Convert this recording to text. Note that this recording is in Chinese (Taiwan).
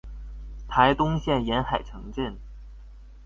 臺東縣沿海城鎮